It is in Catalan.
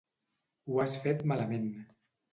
Ho has fet malament.